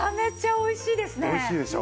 おいしいでしょ？